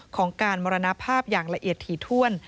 ของการมรณภาพอย่างละเอียดถี่ถ้วน